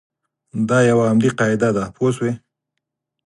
دا یوه عمومي قاعده ده پوه شوې!.